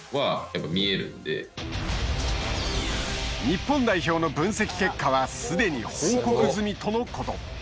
日本代表の分析結果は既に報告済みとのこと。